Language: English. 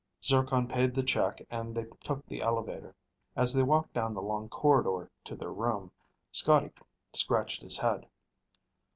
Zircon paid the check and they took the elevator. As they walked down the long corridor to their room, Scotty scratched his head.